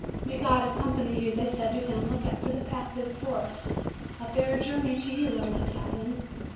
"May God accompany you!" they said to him. "Look out for the path through the forest. A fair journey to you, little Italian!"